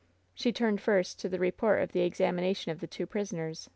She turned first to the report of the examination of the two prisoners.